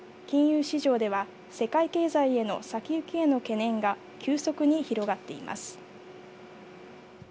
金融市場では世界経済への先行きへの懸念が急速に広がっています。